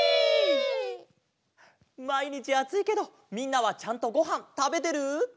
まいにちあついけどみんなはちゃんとごはんたべてる？